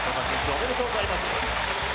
おめでとうございます。